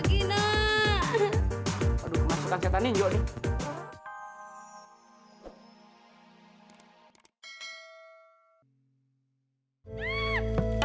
sampai jumpa di video selanjutnya